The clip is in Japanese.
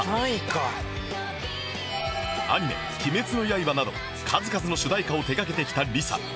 アニメ『鬼滅の刃』など数々の主題歌を手掛けてきた ＬｉＳＡ